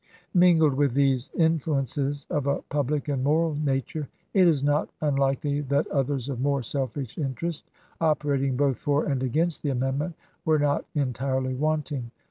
Mingled with these influences of a public and moral nature it is not unlikely that others of more selfish interest, operating both for and against the amendment, were not entirely wanting.